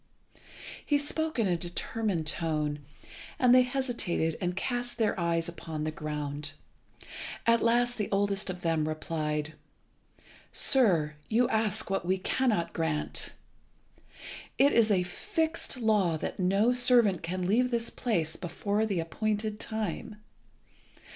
He spoke in a determined tone, and they hesitated and cast their eyes upon the ground. At last the oldest of them replied "Sir, you ask what we cannot grant. It is a fixed law that no servant can leave this place before the appointed time.